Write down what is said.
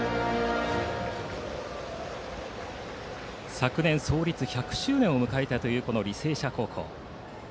昨年創立１００周年を迎えたという履正社高校。